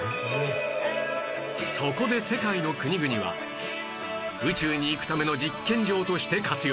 そこで世界の国々は宇宙に行くための実験場として活用